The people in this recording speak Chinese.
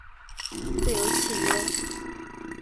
自由契约。